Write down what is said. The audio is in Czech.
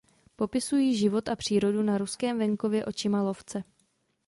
Popisují život a přírodu na ruském venkově očima lovce.